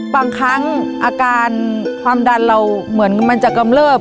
บางครั้งอาการความดันเราเหมือนมันจะกำเริบ